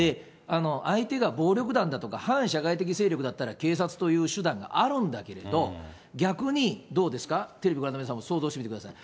相手が暴力団だとか、反社会的勢力だったら、警察という手段があるんだけれど、逆にどうですか、テレビご覧の皆さんも想像してみてください。